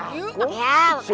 suruh janggung teman itu